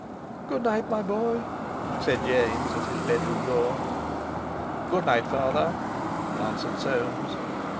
"Good night, my boy," said James at his bedroom door. "Good night, father," answered Soames.